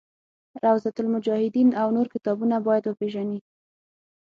روضة المجاهدین او نور کتابونه باید وپېژني.